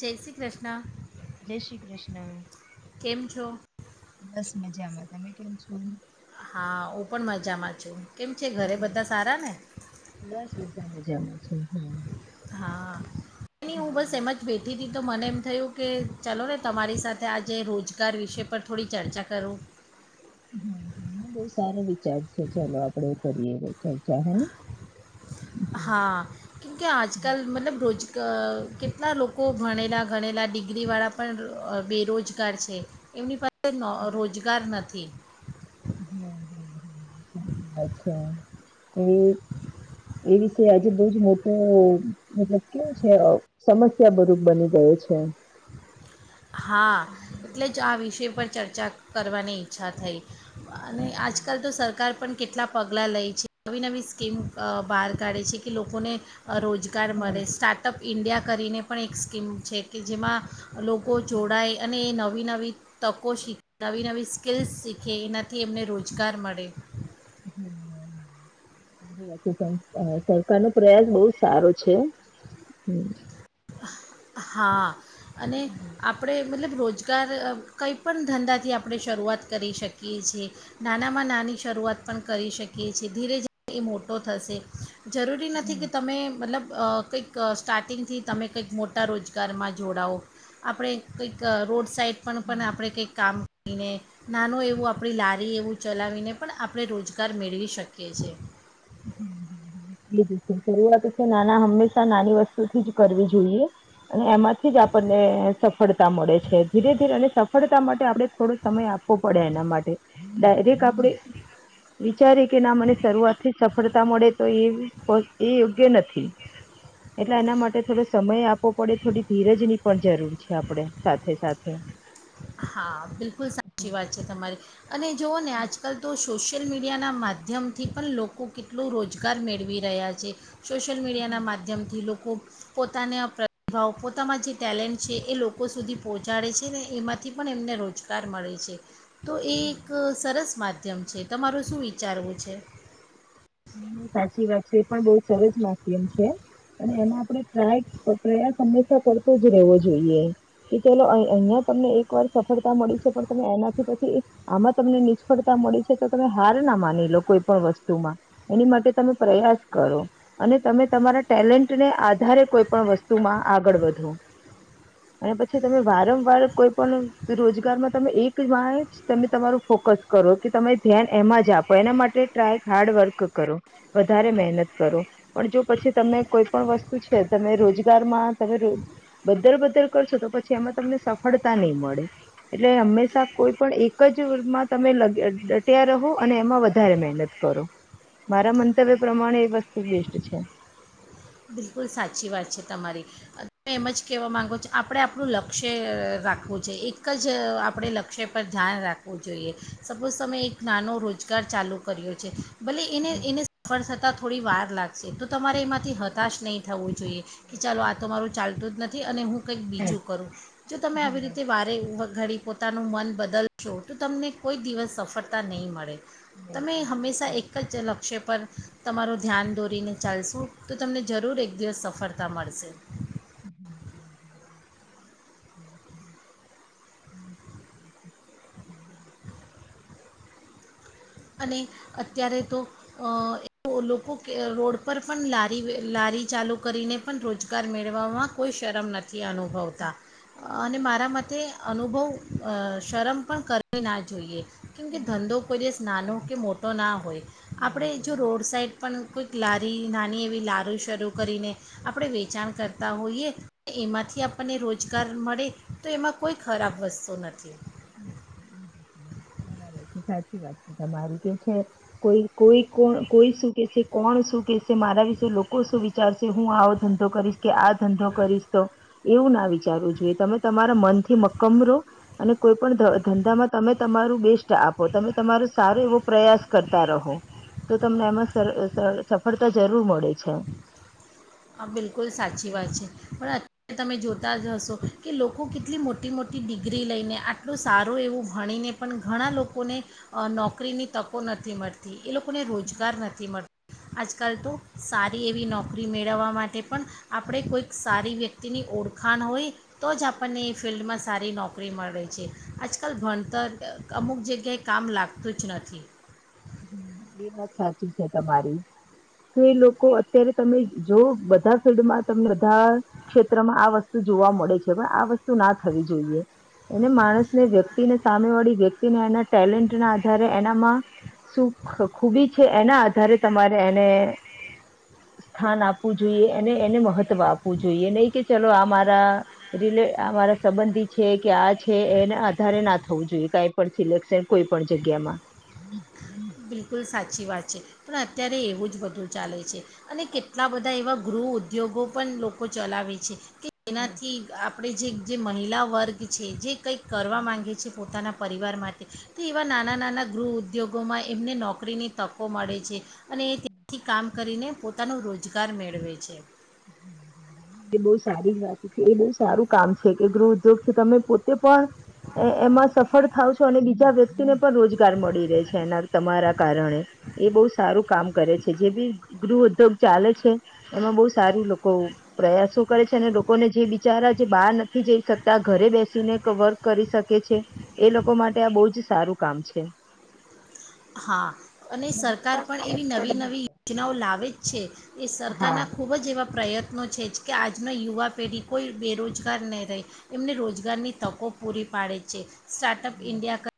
જય શ્રી કૃષ્ણ. જય શ્રી કૃષ્ણ. કેમ છો બસ મજામાં. તમે કેમ છો? હા, હું પણ મજામાં છું. કેમ છે ઘરે હમ. બધા સારા ને? બસ બધા મજામાં છે હા. હા, ની હું બસ એમ જ બેઠી તી તો મને એમ થયું કે ચાલો ને તમારી સાથે આજે રોજગાર વિશે પર થોડી ચર્ચા કરું. હમ્મ હમ્મ બેસ સારો વિચાર છે ચાલો આપડે કરીએ તો ચર્ચા હે. હા કેમકે આજકાલ મતલબ રોજ કેટલા લોકો ભણેલા ભણેલા ડિગ્રીવાળા પણ બેરોજગાર છે એમની પાસે રોજગાર નથી. પી અચ્છા. એ એ વિશે આજે બહ જ મોટું મતલબ કેવ છે સમસ્યા બરૂપ બની ગયો છે. હા એટલે જ આ વિશે પર ચર્ચા કરવાની ઈચ્છા થઈ. અને આજકાલ તો સરકાર પણ કેટલા પગલાં લે છે નવી નવી સ્કીમ બહાર કાઢે છે કે લોકોને રોજગાર મળે સ્ટાર્ટઅપ ઈન્ડિયા કરીને પણ એક સ્કીમ છે કે જેમાં જોડાય અને એ નવા નવી નવી તકો શીખે નવી નવી સ્કિલ્સ શીખે એનાથી એમને રોજગાર મળે. વાત છે સરકાર નો પ્રયાસ બહુ સારો છે હમ. હા અને હમ આપણે મતલબ રોજગાર કંઈપ પણ ધંધાથી આપણે શરૂઆત કરી શકીએ છીએ નાનામાં નાની શરૂઆત પણ કરી શકીએ છીએ ધીરે ધીરે એ મોટો થશે. જરૂરી નથી કે તમે મતલબ અહ કંઈક સ્ટાર્ટિંગ થી તમે કંઈક મોટા રોજગારમાં જોડાવો આપડે કંઈક અહ રોડ સાઈડ પન હમ પન આપડે કંઈક કામ ની ને નાનું એવું આપડી લારી એવું ચલાવીને પણ આપડે રોજગાર મેળવી શકીએ છે. હમ્મ, હમ્મ, હમ્મ. [inaudible] નાના હંમેશા નાની વસ્તુથી જ કરવી જોઈએ. અને એમાંથી જ આપણને સફળતા મળે છે ધીરે ધીરે સ સડતા માટે આપડે થોડો સમય આપવો પડે એના માટે ડાયરેક આપડે જ રીતે ના મને શરૂઆત એ સફળતા મળે તો એ પ એ યોગ્ય નથી. એટલે એના માટે થોડો સમય આપવો પડે થોડી ધીરજની પણ જરૂર છે આપડે સાથે સાથે. હા, બિલકુલ સાચી હમ વાત છે તમારી. અને જોવ ને આજકાલ તો સોશિયલ મીડિયાના માધ્યમથી પણ લોકો કેટલું રોજગાર મેળવી રહ્યા છે. સોશિયલ મીડિયાના માધ્યમથી લોક કો પોતાના પ્રતિભાવ પોતાના જે ટેલેન્ટ છે એ લોકો સુધી પહોંચાડે છે ને એમાં થી પણ એમને રોજગાર મળે છે. તો એ એક સરસ મા ધ્યમ છે. તમારું શું વિચારવું છે? નહી નહી સાચી વાત છે. પણ બહુ સરસ નાથી એમ. અને એમાં આપણે ટ્રાય પ્રયાસ હંમેશા જ રહેવો જોઈએ. કે ચેલો અહિયાં તમને એક વાર સફળતા મળી છે પણ તમે એનાથી પછી આમાં તમને નિષ્ફળતા મળી છે તો તમે હાર ના માની લો કોઈ પણ વસ્તુમાં એની માટે તમે પ્રયાસ કરો અને તમે તમારા ટેલેન્ટને આધારે કોઈ પણ વસ્તુમાં આગળ વધો અને પછી તમે વારંવાર કોઈ પણ રોજગારમાં તમે એક વાર જ તમે તમારું ફોકસ કરો કે તમે ધ્યાન એમાં જ આપો એના માટે ટ્રાય હાર્ડવર્ક કરો તો વધારે મહેનત કરો પણ જો પછી તમે કોઈ પણ વસ્તુ છે તમે રોજગારમાં તમે બધર બધર કરશો તો પછી એમાં તમને સફળતા નહી મળે એટલે હંમેશા કોઈ પણ એક જમાં તમે ડટ્યા રહો અને એમાં વધારે મહેનત કરો મારા મંતવ્ય પ્રમાણે એ વસ્તુ બેસ્ટ છે. બિલકુલ સાચી વાત છે તમારી તમે એમ જ કહેવા માંગો છો આપણે આપણું લક્ષ્ય રાખવું છે એક જ આપણે લક્ષ્ય પર ધ્યાન રાખવું જોઈએ સપોઝ તમે એક નાનો રોજગાર ચાલુ કર્યો છે. ભલે એને હમ એને સફળ થતા થોડી વાર લાગ તો તમારે એમાંથી હ હતાશ નહીં થ ઉય જોઈએ કે ચાલો આ તો મારું ચાલતું જ નથી. અને હું કંઈક બીજું કરું જો તમે આવી રીતે વારે ઘડી પોતાનું મન બદલશો તો તમને કોઈ દિવસ સફળતા નહીં મળે. હમ તમે હંમેશા એક જ લક્ષ્યપ પર તમારું ધ્યાન દોરીને ચાલશું તો તો તમને જરૂર એક દિવસ સફળતા મળશે. હ હ હ હ હ હ હ અને અત્યારે તો એ લોકો રોડ પર પણ લારી લારી ચાલુ કરીને પણ રોજગાર મેળવવામાં કોઈ શરમ નથી અનુભવતા અને મારા મતે અનુભવ શરમ પણ કરવી ના જોઈએ. કેમકે કે ધંધો કોઈ દિવસ નાનો સાચી કે વાત મોટો ના હોય ના આપડે જો હોય રોડ સાઈડ પણ કોઈક લારી નાની એવી લારૂ શરૂ કરીને આપડે વેચાણ કરતા હોઈએ એમાંથી આપણને રોજગાર મળે તો એમાં કોઈ ખરાબ વસ્તુ નથી. [inaudible] બરાબર છે સાચી વાત છે તમારી કે છે કોઈ કોઈ ક કોઈ શું કેશે કોણ શું કેશે મારા વિશે લોકો શું વિચારશે હું આવો ધંધો કરીશ કે આ ધંધો કરીશ તો એવું ના વિચારવું જોઈએ તમે તમારા મનથી મક્કમ રો અને કોઈ પણ ધ ધંધામાં તમે તમારું બેસ્ટ આપો તમે તમારો સારો એવો પ્રયાસ કરતા રહો તો તમને એમાં સર સ સફળતા જરૂર મળે છે. હા, બિલકુલ સાચી વાત છે. પણ અ તમે જોતા જ હશો કે લોકો કેટલી મોટી મોટી ડિગ્રી લઈને આટલું સારું એવું ભણીને પણ ઘણા લોકોને અહ નોકરીની તકો નથી મળતી. એ લોકોને રોજગાર નથી મળ આજકાલ તો સારી એવી નોકરી મેળ ળવા માટે પણ આપણે કોઈક સારી વ્યક્તિની ઓળખાણ હોય તો જ આપણને એ ફિલ્ડમાં સારી નોકરી મળે છે. આજકાલ ભણતર ક અમુક જગ્યાએ કામ લાગતું જ નથી. એ વાત સાચી છે તમારી. કે એ લોકો અત્યારે તમે જો બધા ફિલ્ડમાં તમને બધા ક્ષેત્રમાં આ વસ્તુ જોવા મળે છે પણ આ વસ્તુ ના થવી જોઈએ એને માણસને વ્યક્તિને સામે વાળી વ્યક્તિને એના ટેલેન્ટ ના આધારે એનામાં શું ખ ખૂબી છે એના આધારે તમારે એને સ્થાન આપવું જોઈએ અને એને મહત્વ આપવું જોઈએ નહીં કે ચલો આ મારા રિલે આ મારા સંબંધી છે કે આ છે એના આધારે ના થવું જોઈએ કઈ પણ સિલેક્શન કોઈ પણ જગ્યામાં. બિલકુલ સાચી વાત છે. પણ અત્યારે એવું જ બધું ચાલે છે. અને કેટલા બધા એવા ગૃહ ઉદ્યોગો પણ લોકો ચલાવે છે. કે હમ એનાથી આપ આપડે જે જે મહિલા વર્ગ છે જે કંઈક કરવા માંગે છે પોતાના પરિવાર માટે તો એવા નાના નાના ગૃહ ઉદ્યોગોમાં એમને નોકરીની તકો મળે છે અને એ ત્યાથી કામ કરીને પોતાનું રોજગાર મેળવે છે. એ બહ સારી વાત છે એ બહુ સારું કામ છે કે ગૃહ ઉદ્યોગ છે તમે પોતે પણ એમાં સફળ થાવ છો અને બીજા વ્યક્તિને પણ રોજગાર મળી રહે છે એના તમારા કારણે એ બહુ સારું કામ કરે છે જે બી ગૃહ ઉદ્યોગ ચાલે છે એમાં બહુ સારું લોકો પ્રયાસો કરે છે અને લોકોને જે બિચારા જે બહાર નથી જઈ શકતા ઘરે બેસીને વર્ક કરી શકે છે એ લોકો માટે આ બહુ જ સારું કામ છે. હા અને સરકાર પણ વિશ્વાસદાયક એવી નવી સ્થળ બી નવી છે યોજનાઓ લાવે જ છે. એ સરકારના હા ખૂબ જ એવા પ્રયત્નો છે જ કે આજનો યુવા પેઢી કોઈ બેરોજગાર નહીં રહે એમને રોજગારની તકો પૂરી પાડે છે. સ્ટાર્ટઅપ હમ ઇડિયા કર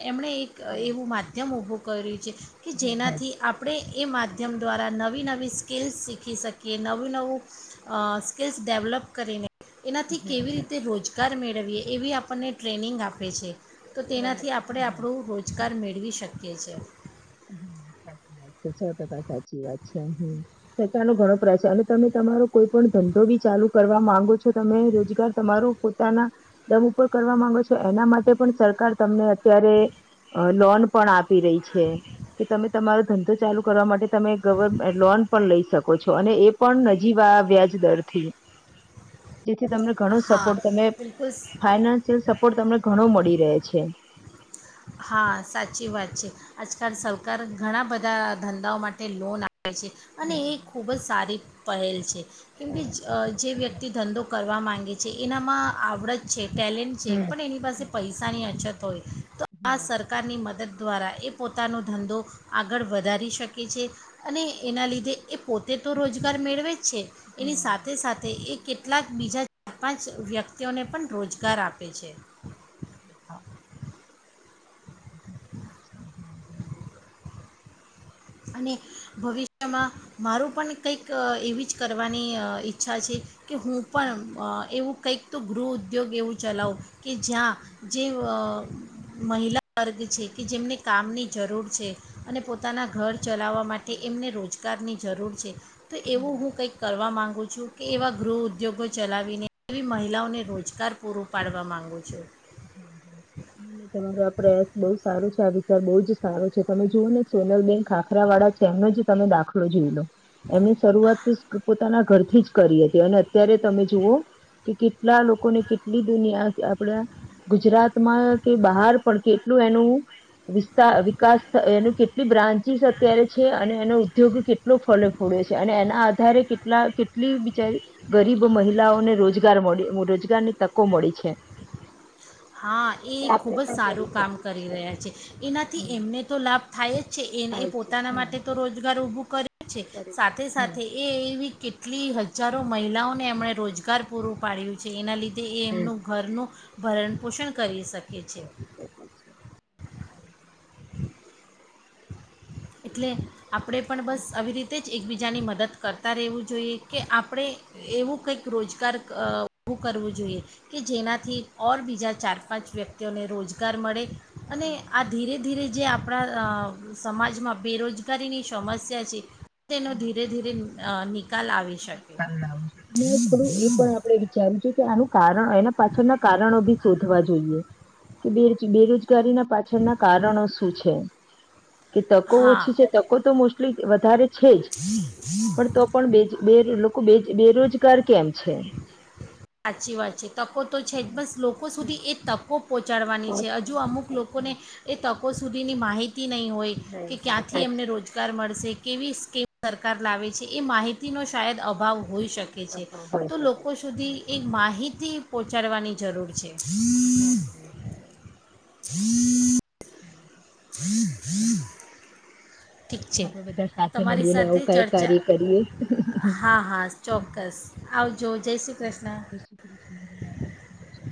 એમણે એક એવું માત ઊભું કરી છે કે હમ જેનાથી આપણે એ માધ્યમ દ્વારા નવી નવી સ્કીલ્સ શીખી શકીએ નવું નવું સ્કિલ્સ ડેવલપ કરીને એનાથી હમ કેવી રીતે રોજગારી કર મેળવીએ એવી આપણને ટ્રેનિંગ આપે છે. તો હમ તેનાથી આપણે હમ. આપણું રોજગાર મેળ કર શકે. ઓકે છે. સાચી વાત છેથ સાચી વાત છે સરકાર નો ઘણો પ્રચાર અને તમે તમારો કોઈ પણ ધંધો બી ચાલુ કરવા માંગો છો તમે રોજગાર તમારો પોતાના દમ ઉપર કરવા માંગો છો એના માટે પણ સરકાર તમને અત્યારે લોન પણ આપે. તે રહી છે. કે તમે તમારો ધંધો ચાલુ કરવા માટે તમે ગવર્ લોન પણ લઈ શકો છો અને એ પણ નજીવા આ વ્યાજદરથી જેથી તમને ઘણો હા સપોર્ટ તમે બિલકુલ ફાઈનાન્શિયલ સપોર્ટ તમને ઘણો મળી રહે છે. હા, સાચી વાત છે આજ કાલ સરકાર અજ ઘણા બધા ધંધાઓ માટે લોન આપ અ છે અને એ હમ, ખૂબ જ સારી પહેલ છે. કેમ કે હમ, અહ જે વ્યક્તિ ધંધો કરવા માં ગે છે એનામાં આવડત છે ટેલેન્ટ હમ, છે પણ એની પાસે હમ, પૈસાની અછત તોએ. હમ. આ સરકારની મદદ દ્વારા એ પોતાનો ધંધો આગળ વધારી શકે છે અને એના લીધે એ પોતે તો રોજગાર મેળવે છે એની સાથે સાથે એક કેટલાક બીજા ચાર પાંચ વ્યક્તિઓને પણ રોજગાર આપે છે. [inaudible] [inaudible] અને ભવિષ્યમાં મારું પણ કંઈક એવી જ કરવાની ઈચ્છા છે. કે હું પણ એવું કંઈક તો ગૃહ ઉદ્યોગ એવું ચલાવો કે જ્યાં જે મહિલા વર્ગ છે. કે જેમને [unintelligible] જરૂર છે અને પોતાના ઘર ચલાવવા માટે એમને રોજગારની જરૂર છે. તો એવું હું કઈક કરવા માંગ છ કે એવા ગૃહ ઉદ્યોગો ચલાવીને એવી મહિલાઓને રોજગાર પૂર પાડવા માંગુ છું. એ તમારો આ પ્રયાસ બહ સારું છે. આ વિચાર બહુ જ સારો છે તમે જુઓ ને સોલર બેન ખાખરા વાળા છે એમનો જ તમે દાખલો જોઈ લો. એમની શરૂઆત પોતાના ઘરથી થી જ કરી હતી અને અત્યારે તમે જુઓ કે કેટલા લોકોને કેટલી દુનિયા આપડા ગુજરાતમાં કે બહાર પણ કેટલું એનું વિસ્ત વિકાસ એનું કેટલી બ્રાન્ચિસ અત્યારે છે અને એનો ઉદ્યોગ કેટલો ફ ફડ્યો છે અને એના આધારે કેટલા કેટલી બિચારી ગરીબ મહિલાઓને રોજગાર મળ રોજગારની તકો મળી છે. હા એ ખૂબ જ સારું કામ કરી રહ્યા છે એનાથી હમ એમને તો લાભ થાય જ છે એ એ પોતાના હમ માટે તો રોજગાર ઊભો કરે છે સાથે હમ સાથે એવી કેટલી હજારો મહિલાઓને એમણે રોજગાર પૂરું પાડ્યું છે એના લીધે તે એ એમનું ઘરનું ભરણ પોષણ કરી શકએ. ખે છેે. [inaudible] એટલે આપણે પણ બસ આવી રીતે જ એકબીજાની મદદ કરતા રહેવું જોઈએ કે આપ આપણે એવું ક રોજગાર ઉભું કરવું જોઈએ કે જેનાથી બી જ્યાં ચાર પાંચ વ્યક્તિઓને રોજગાર મળે. અને આ ધીરે ધીરે જે આપ આપણા સમાજ માં બેરોજગારીની સમસ્યા છે. તેનો ધીરે ધીરે મ અ નની અને થોડું એ પણ આપણે વિચારું છે કે આનું કારણ એના પાછળ ના કારણો શોધવા જોઈએ કે બે બેરોજ રોજગારી ના પાછળ ના કારણો શું છે? કે તકો હા ઓછી છે તકો તો મુ વધારે છે જ પણ તો પણ બેજ બે લોકો બેરોજગાર કેમ છે? સાચી વાત છે તકો તો છે જ બસ લોકો સુધી એ તકો પહોંચાડવાની છે હજુ અમુક લોકોને એ તકો લોકો સુધીની માહિતી નહીં હોય કે ક્યાંથી એમને રોજગાર મળશે. કેવી સ્કીમ સરકાર લાવે છે એ માહિતીનો શાયદ અભાવ હોઈ શકે છે તો લોકો સુધી એક માહિતી પહોંચાડવાની જરૂર છે. હમ્મ, હમ્મ, હમ્મ. હમ્મ. ઠીક છે આપડે બધા સાથે તમારી મળીને સાથે આવું કઈ ચર્ચા. કાર્ય કરીએ. હા હા ચોક્કસ આવજો. જય શ્રી કૃષ્ણ. [inaudible] છે.